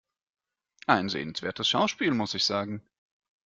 Ein sehenswertes Schauspiel, muss ich sagen.